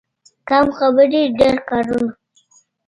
کم خبرې، ډېر کارونه.